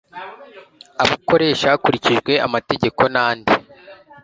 abukoresha hakurikijwe amategeko n andi